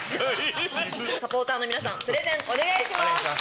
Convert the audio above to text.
サポーターの皆さんプレゼンお願いします。